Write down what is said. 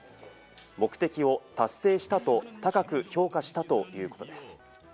目的を達成したと高く評価したということです。